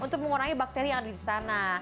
untuk mengurangi bakteri yang ada di sana